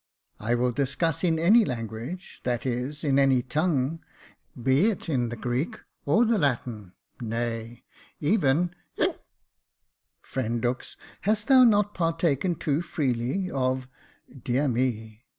"I will discuss in any language — that is — in any tongue — be it in the Greek or the Latin — nay, even — — friend Dux — hast thou not partaken too freely — of — dear me